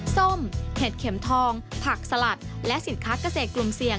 ส้มเห็ดเข็มทองผักสลัดและสินค้าเกษตรกลุ่มเสี่ยง